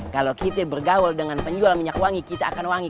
kalau kita bergaul dengan penjual minyak wangi kita akan wangi